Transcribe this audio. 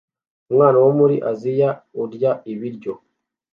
Umwana wo muri Aziya urya ibiryo